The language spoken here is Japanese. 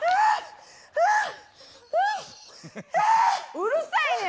うるさいねん！